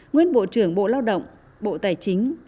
nguyên bộ trưởng bộ lao động bộ tài chính